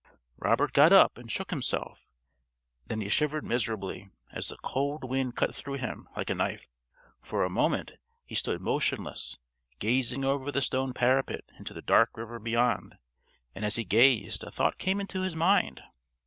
_) Robert got up and shook himself. Then he shivered miserably, as the cold wind cut through him like a knife. For a moment he stood motionless, gazing over the stone parapet into the dark river beyond, and as he gazed a thought came into his mind.